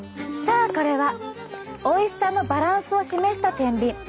さあこれはおいしさのバランスを示した天秤。